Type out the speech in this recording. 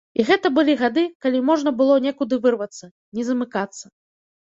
І гэта былі гады, калі можна было некуды вырвацца, не замыкацца.